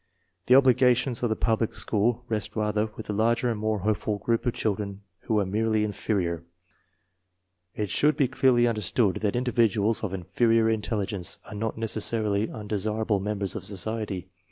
The obligations of the public school rest rather with the larger and more hopeful group of children who are merely inferior. It should be clearly understood that individuals of inferior intelligence are not necessarily undesirable members of society.